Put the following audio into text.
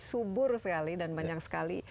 subur sekali dan banyak sekali